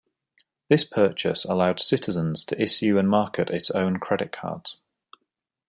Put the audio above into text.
This purchase allowed Citizens to issue and market its own credit cards.